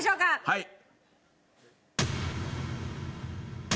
はい。